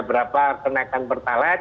berapa kenaikan pertalek